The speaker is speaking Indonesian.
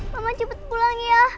mama cepet pulang ya